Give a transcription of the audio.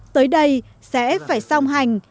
tới đây sẽ phải song hành